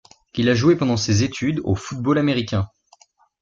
Il a joué pendant ses études au football américain.